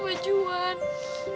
maafin ibu yuk maafin ibu